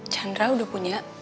chandra udah punya